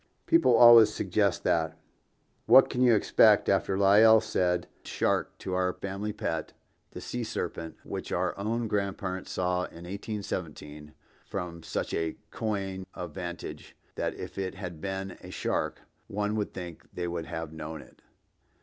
People always suggest that—what can you expect after Lyell said shark to our family pet, "the sea serpent," which our own grandparents saw in 1817 from such a coign of vantage that if it had been a shark, one would think they would have known it.